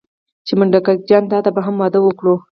چې منډک جانه تاته به هم واده وکړو.